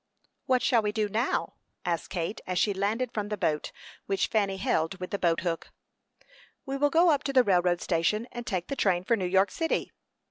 "What shall we do now?" asked Kate, as she landed from the boat, which Fanny held with the boat hook. "We will go up to the railroad station, and take the train for New York city."